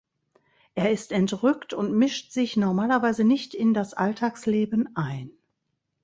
Er ist entrückt und mischt sich normalerweise nicht in das Alltagsleben ein.